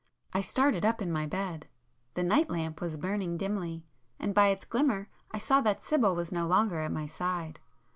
I started up in my bed,—the night lamp was burning dimly, and by its glimmer I saw that Sibyl was no longer at my side.